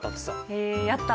へえやった！